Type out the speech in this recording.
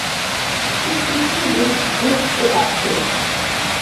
সে কিছুই বুঝতে পারছে না।